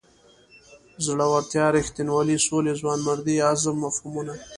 زړورتیا رښتینولۍ سولې ځوانمردۍ عزم مفهومونه.